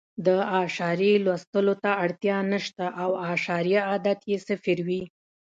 د اعشاریې لوستلو ته اړتیا نه شته او اعشاریه عدد یې صفر وي.